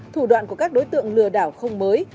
thủ đoạn của các đối tượng lừa đảo không mới